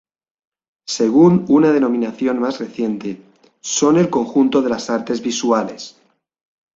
Según una denominación más reciente, son el conjunto de las "artes visuales".